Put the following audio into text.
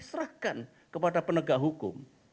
serahkan kepada penegak hukum